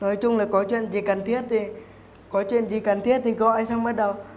nói chung là có chuyện gì cần thiết thì gọi xong bắt đầu